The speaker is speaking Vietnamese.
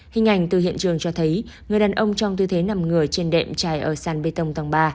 hình ảnh từ hiện trường cho thấy người đàn ông trong tư thế nằm người trên đệm tràn ở sàn bê tông tầng ba